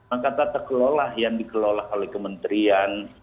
angkatan terkelola yang dikelola oleh kementerian